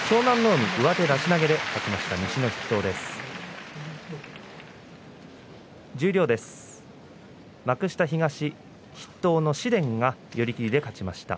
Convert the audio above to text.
海、上手出し投げで勝ちました。